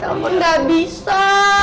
telepon gak abis yaa